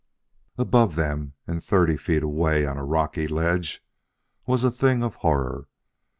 Above them and thirty feet away on a rocky ledge was a thing of horror.